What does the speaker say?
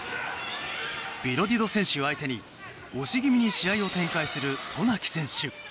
ビロディド選手相手に押し気味に試合を展開する渡名喜選手。